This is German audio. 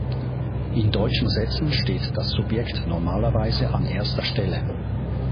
In deutschen Sätzen steht das Subjekt normalerweise an erster Stelle.